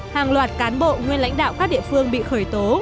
hàng loạt cán bộ nguyên lãnh đạo các địa phương bị khởi tố